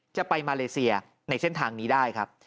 จะไปมาเลเซียในเส้นทางนี้ได้ครับ